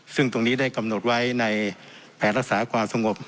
ซึ่งตรงนี้ได้กำหนดไว้ในแผนรักษาความสงบ